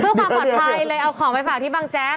เพื่อความปลอดภัยเลยเอาของไปฝากที่บางแจ๊ก